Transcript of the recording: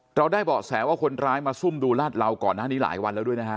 เราได้เบาะแสว่าคนร้ายมาซุ่มดูลาดเหลาก่อนหน้านี้หลายวันแล้วด้วยนะฮะ